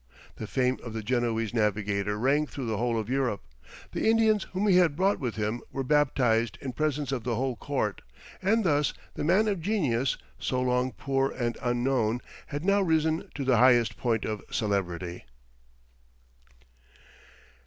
The fame of the Genoese navigator rang through the whole of Europe; the Indians whom he had brought with him were baptized in presence of the whole court; and thus, the man of genius, so long poor and unknown, had now risen to the highest point of celebrity.